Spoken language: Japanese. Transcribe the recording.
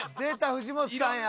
藤本さんや。